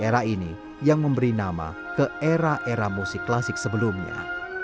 dan era ini yang memberi nama ke era era musik klasik sebelumnya